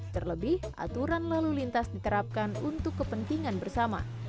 terlebih aturan lalu lintas diterapkan untuk kepentingan bersama